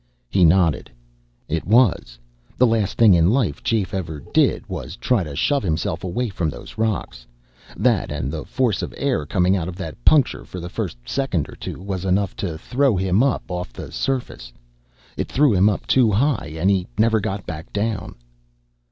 He nodded. "It was. The last thing in life Jafe ever did was try to shove himself away from those rocks. That, and the force of air coming out of that puncture for the first second or two, was enough to throw him up off the surface. It threw him up too high, and he never got back down."